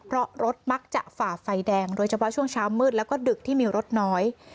เพราะรถมักจะฝ่าไฟแดงโดยเฉพาะช่วงเช้ามืดแล้วก็ดึกที่มีรถน้อย